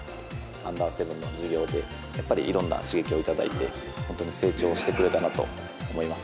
アンダー７の事業で、やっぱりいろんな刺激を頂いて、本当に成長してくれたなと思いま